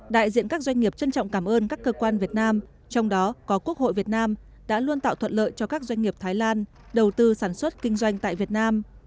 đại diện các doanh nghiệp trân trọng cảm ơn các cơ quan việt nam trong đó có quốc hội việt nam đã luôn tạo thuận lợi cho các doanh nghiệp thái lan đầu tư sản xuất kinh doanh tại việt nam